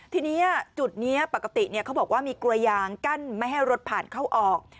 ทีนี้จุดนี้ปกติเขาบอกว่ามีกลัวยางกั้นไม่ให้รถผ่านเข้าออก